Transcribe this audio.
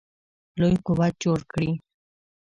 لوی قوت جوړ کړي.